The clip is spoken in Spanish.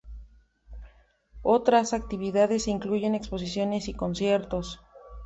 Otras actividades incluyen exposiciones y conciertos.